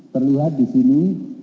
terlihat di sini